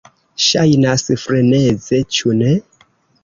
Ŝajnas freneze, ĉu ne?